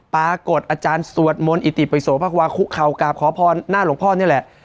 ปรากฏอาจารย์สวดมนต์อิติประโยชน์ภาควาคุเขากาบขอพรหน้าหลวงพ่อนี่แหละ